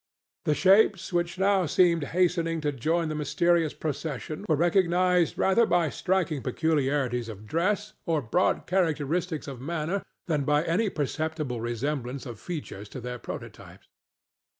The shapes which now seemed hastening to join the mysterious procession were recognized rather by striking peculiarities of dress or broad characteristics of manner than by any perceptible resemblance of features to their prototypes.